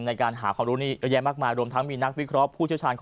ในการหาความรู้นี่เยอะแยะมากมายรวมทั้งมีนักวิเคราะห์ผู้เชี่ยวชาญ